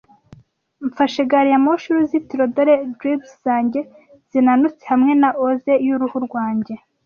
Mfashe gari ya moshi y'uruzitiro, dore dribs zanjye, zinanutse hamwe na ooze y'uruhu rwanjye,